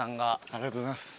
ありがとうございます。